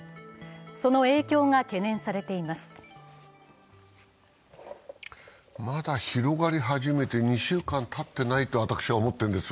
その影響が懸念されています。